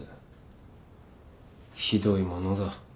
ひどいものだ。